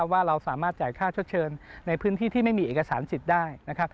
ว่าเราสามารถจ่ายค่าชดเชยในพื้นที่ที่ไม่มีเอกสารสิทธิ์ได้นะครับ